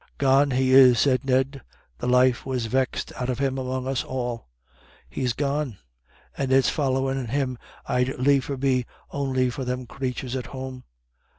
"Gone he is," said Ned, "the life was vexed out of him among us all. He's gone. And it's follyin' him I'd liefer be, on'y for them crathurs at home."